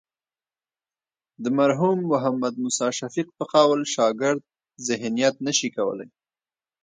د مرحوم محمد موسی شفیق په قول شاګرد ذهنیت نه شي کولی.